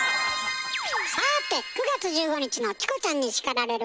さて９月１５日の「チコちゃんに叱られる！」